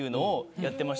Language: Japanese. やってまして。